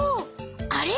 あれ？